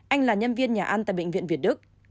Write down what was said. anh là nhân viên nhà ăn tại bệnh viện việt đức